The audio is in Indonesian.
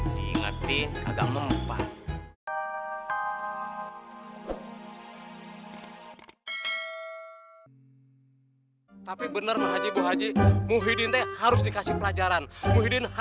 diingetin agak mumpah